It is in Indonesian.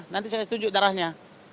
nanti saya kasih tunjuk darahnya